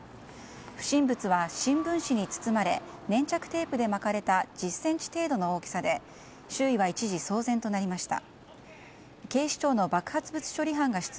不審物は新聞紙に包まれ粘着テープで巻かれた１０ｃｍ程度の大きさで周囲は一時騒然となりました。